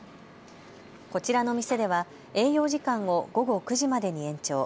こちらの店では営業時間を午後９時までに延長。